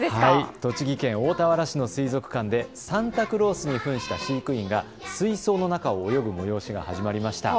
栃木県大田原市の水族館でサンタクロースにふんした飼育員が水槽の中を泳ぐ催しが始まりました。